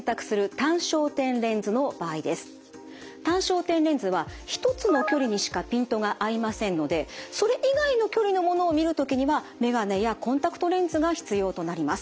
単焦点レンズは一つの距離にしかピントが合いませんのでそれ以外の距離のものを見る時には眼鏡やコンタクトレンズが必要となります。